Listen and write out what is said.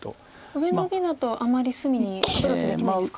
上ノビだとあまり隅にアプローチできないんですか。